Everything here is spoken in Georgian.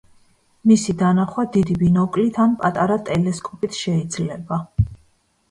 მისი დანახვა დიდი ბინოკლით ან პატარა ტელესკოპით შეიძლება.